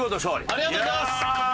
ありがとうございます！